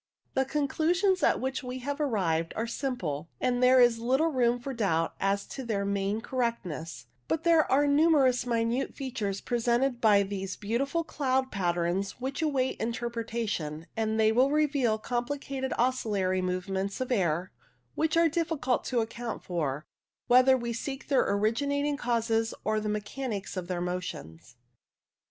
The conclusions at which we have arrived are simple, and there is little room for doubt as to their main correctness, but there are numerous minute features presented by these beautiful cloud patterns which await interpretation, and they reveal compli cated oscillatory movements in the air which are difficult to account for, whether we seek their origi nating causes or the mechanics of their motions.